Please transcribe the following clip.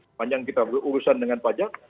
sepanjang kita berurusan dengan pajak